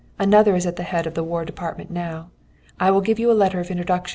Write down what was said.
Another is at the head of the War Department now. I will give you a letter of introduction to him.'